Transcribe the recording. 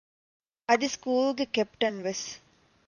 އަދި ސްކޫލުގެ ކެޕްޓަންވެސް